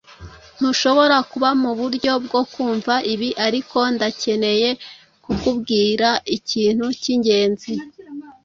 Ntushobora kuba muburyo bwo kumva ibi, ariko ndakeneye kukubwira ikintu cyingenzi.